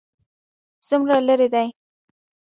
څومره لیرې دی؟